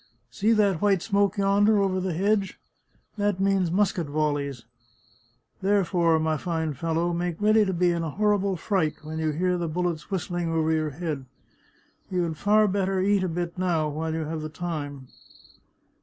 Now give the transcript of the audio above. See that white smoke yonder, over the hedge? That means musket volleys! Therefore, my fine fellow, make ready to be in a horrible fright when you hear the bullets whistling over your head. You had far better eat a bit now, while you have the time."